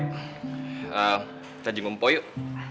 kita jemput po yuk